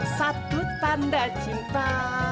satu tanda cinta